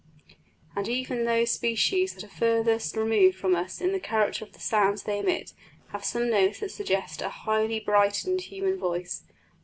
And even those species that are furthest removed from us in the character of the sounds they emit have some notes that suggest a highly brightened human voice.